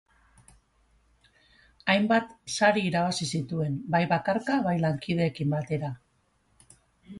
Hainbat sari irabazi zituen, bai bakarka, bai lankideekin batera.